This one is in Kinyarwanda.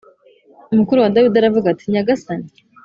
mukuru wa Dawidi aravuga ati “Nyagasani